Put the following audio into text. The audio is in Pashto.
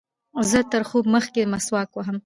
زه تر خوب مخکښي مسواک وهم.